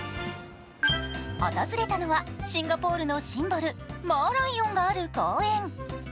訪れたのは、シンガポールのシンボル・マーライオンがある公園